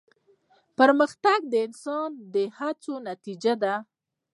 پرمختګ د انسان د هڅو نتیجه ده.